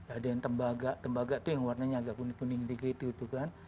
ada yang tembaga tembaga tuh yang warnanya agak kuning kuning dikit gitu kan